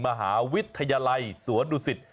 มหาวิทยาลัยสวนดุสิต